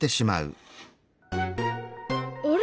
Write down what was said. あれ！？